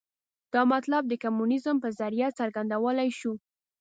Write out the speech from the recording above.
دا مطلب د کمونیزم په ذریعه څرګندولای شو.